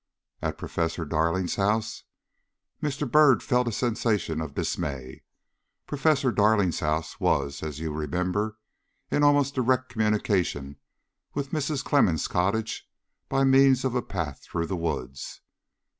"At Professor Darling's house?" Mr. Byrd felt a sensation of dismay. Professor Darling's house was, as you remember, in almost direct communication with Mrs. Clemmens' cottage by means of a path through the woods.